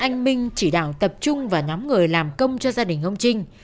anh minh chỉ đạo tập trung và nhắm người làm công cho gia đình ông trinh